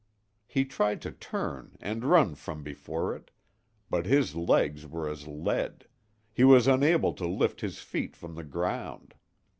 He tried to turn and run from before it, but his legs were as lead; he was unable to lift his feet from the ground.